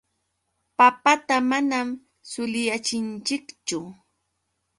Papata manam suliyachinchikchu.